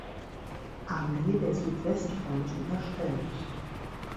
Armee der Südwestfront überstellt.